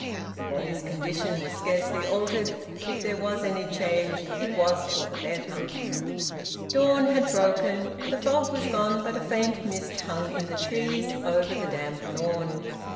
The boy's condition was scarcely altered; if there was any change, it was for the better. Dawn had broken. The fog was gone, but a faint mist hung in the trees over the damp lawn.